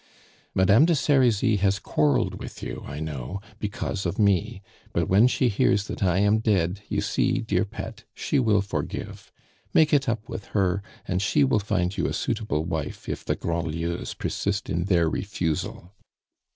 "Madame de Serizy has quarreled with you, I know, because of me; but when she hears that I am dead, you see, dear pet, she will forgive. Make it up with her, and she will find you a suitable wife if the Grandlieus persist in their refusal.